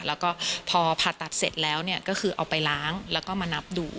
แล้วก็พอผ่าตัดเสร็จแล้วเนี่ยก็คือเอาไปล้างแล้วก็มานับดู